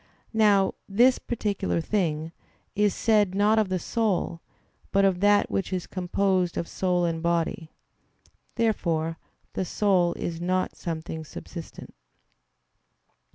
Now "this particular thing" is said not of the soul, but of that which is composed of soul and body. Therefore the soul is not something subsistent.